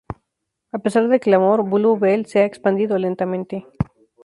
A pesar del clamor, Blue Bell se ha expandido lentamente.